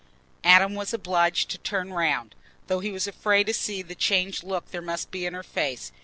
Adam was obliged to turn round, though he was afraid to see the changed look there must be in her face.